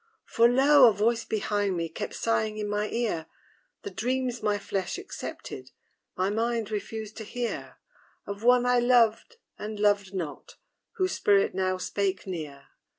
For, lo! a voice behind me Kept sighing in my ear The dreams my flesh accepted, My mind refused to hear Of one I loved and loved not, Whose spirit now spake near.